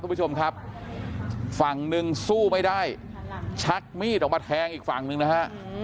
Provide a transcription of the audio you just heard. คุณผู้ชมครับฝั่งหนึ่งสู้ไม่ได้ชักมีดออกมาแทงอีกฝั่งหนึ่งนะฮะ